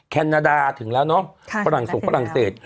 แคนาดาถึงแล้วเนอะฝรั่งส่งฝรั่งเศส